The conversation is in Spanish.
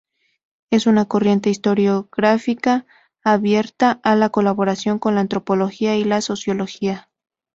Es una corriente historiográfica abierta a la colaboración con la antropología y la sociología.